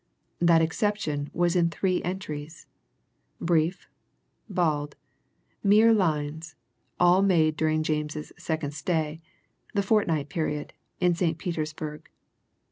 That exception was in three entries: brief, bald, mere lines, all made during James's second stay the fortnight period in St. Petersburg.